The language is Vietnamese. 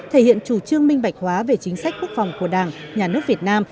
thể hiện chủ trương minh bạch hóa về chính sách quốc phòng của đảng nhà nước việt nam